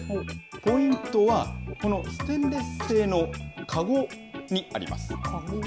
ポイントは、このステンレス製の籠にあります。